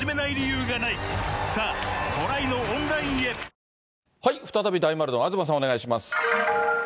実は、再び大丸の東さん、お願いします。